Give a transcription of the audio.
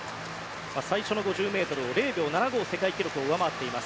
最初の５０ｍを、０秒７５世界記録を上回っています。